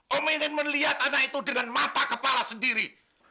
om ingin melihat anak itu dengan mata kepala sendiri